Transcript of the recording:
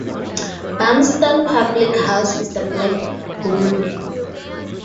Barmston public house is the Black Bull.